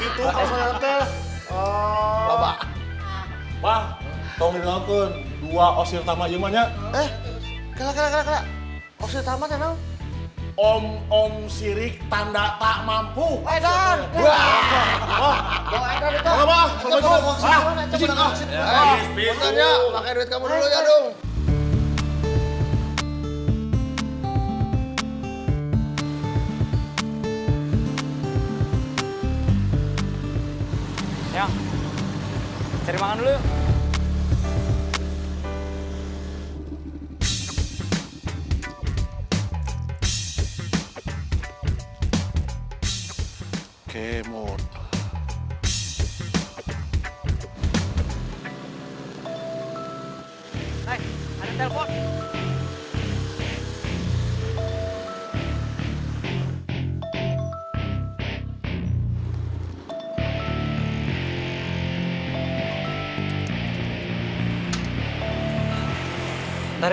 ituan anda yang apa ramb elliott